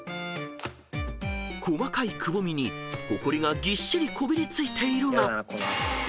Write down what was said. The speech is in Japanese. ［細かいくぼみにホコリがぎっしりこびりついているが］いきます。